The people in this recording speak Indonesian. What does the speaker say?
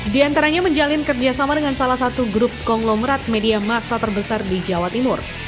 di antaranya menjalin kerjasama dengan salah satu grup konglomerat media masa terbesar di jawa timur